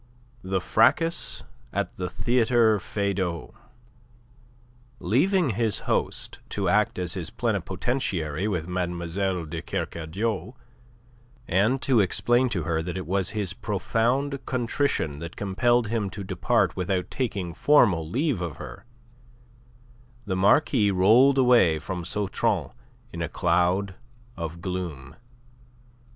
THE FRACAS AT THE THEATRE FEYDAU Leaving his host to act as his plenipotentiary with Mademoiselle de Kercadiou, and to explain to her that it was his profound contrition that compelled him to depart without taking formal leave of her, the Marquis rolled away from Sautron in a cloud of gloom.